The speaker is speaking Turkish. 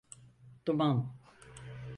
Duman…